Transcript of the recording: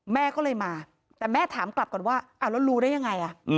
แม่ก็เลยมาแต่แม่ถามกลับก่อนว่าแล้วรู้ได้ยังไง